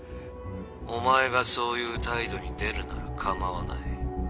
お前がそういう態度に出るなら構わない。